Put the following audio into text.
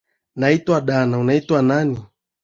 Ninaitwa dana, unaitwa nani?